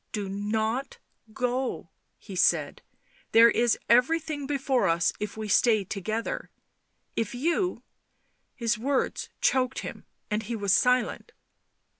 " Do not go," he said. " There is everything before us if we stay together ... if you ..." His words choked him, and he was silent.